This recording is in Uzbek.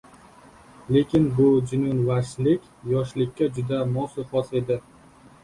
Lekin bu jununvashlik yoshlikka juda mosu xos edi.